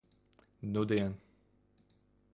Nudien.